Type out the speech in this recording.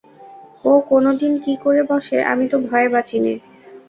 ও কোনদিন কী করে বসে আমি তো ভয়ে বাঁচি নে।